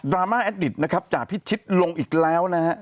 รามาแอดดิตนะครับจากพิชิตลงอีกแล้วนะฮะ